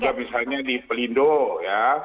juga misalnya di pelindo ya